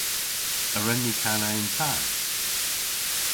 A wren ni kana yn ta?